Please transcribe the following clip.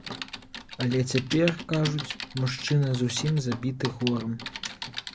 Але цяпер, кажуць, мужчына зусім забіты горам.